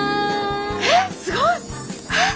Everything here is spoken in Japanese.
えっすごい！えっ？